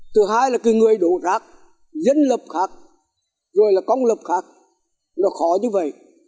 thứ hai là cái người đổ rác dân lập khác rồi là cong lập khác nó khó như vậy